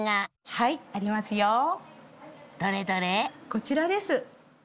こちらです。